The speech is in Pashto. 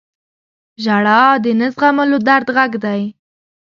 • ژړا د نه زغملو درد غږ دی.